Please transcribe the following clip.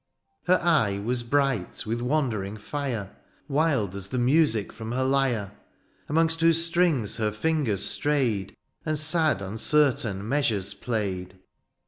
Her eye was bright with wandering fire. Wild as the music from her lyre. Amongst whose strings her fingers strayed. And sad uncertain measures played.